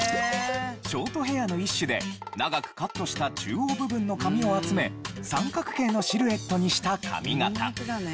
ショートヘアの一種で長くカットした中央部分の髪を集め三角形のシルエットにした髪形。